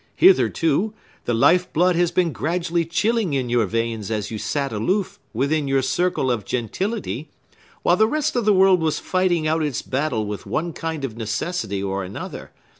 Hitherto, the life blood has been gradually chilling in your veins as you sat aloof, within your circle of gentility, while the rest of the world was fighting out its battle with one kind of necessity or another.